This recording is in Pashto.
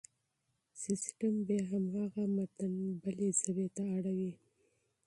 سيستم بيا هماغه متن بلې ژبې ته اړوي.